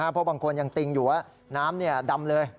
เพราะบางคนยังติงอยู่ว่าน้ำดำเลย